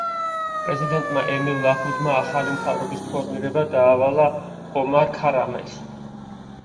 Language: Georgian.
პრეზიდენტმა ემილ ლაჰუდმა ახალი მთავრობის ფორმირება დაავალა ომარ ქარამეს.